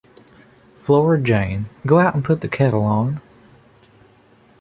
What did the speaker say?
Flora Jane, go out and put the kettle on.